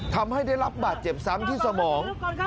ทำให้ได้รับบาดเจ็บซ้ำที่สมอง